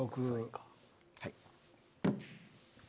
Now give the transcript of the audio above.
はい。